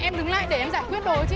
em đứng lại để em giải quyết đồ của chị